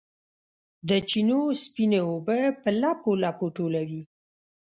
د چینو سپینې اوبه په لپو، لپو ټولوي